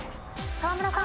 沢村さん。